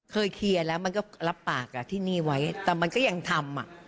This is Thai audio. เคลียร์แล้วมันก็รับปากกับที่นี่ไว้แต่มันก็ยังทำ